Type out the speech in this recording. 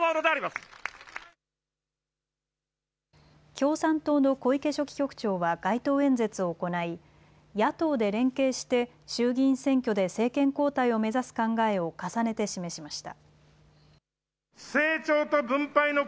共産党の小池書記局長は街頭演説を行い、野党で連携して衆議院選挙で政権交代を目指す考えを重ねて示しました。